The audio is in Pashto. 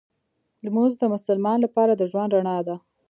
لمونځ د مسلمان لپاره د ژوند رڼا ده